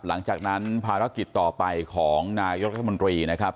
หลังจากนั้นภารกิจต่อไปของนายกรัฐมนตรีนะครับ